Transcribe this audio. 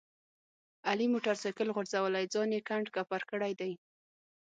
علي موټر سایکل غورځولی ځان یې کنډ کپر کړی دی.